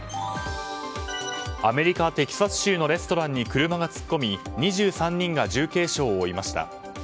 アメリカ・テキサス州のレストランに車が突っ込み２３人が重軽傷を負いました。